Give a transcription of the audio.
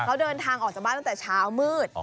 เขาเดินทางออกจากบ้านตั้งแต่เช้ามืด